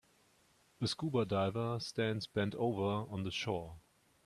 A scuba diver stands bent over on the shore